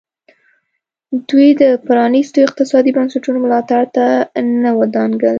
دوی د پرانیستو اقتصادي بنسټونو ملاتړ ته نه ودانګل.